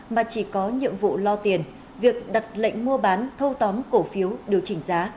mà chỉ có nhiệm vụ lo tiền việc đặt lệnh mua bán thâu tóm cổ phiếu điều chỉnh giá